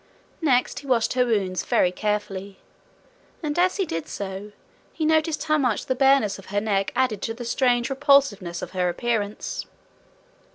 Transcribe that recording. Next he washed her wounds very carefully. And as he did so, he noted how much the bareness of her neck added to the strange repulsiveness of her appearance.